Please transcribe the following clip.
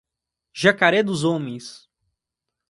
Jacaré dos Homens